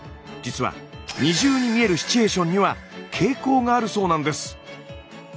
実は２重に見えるシチュエーションには傾向があるそうなんです。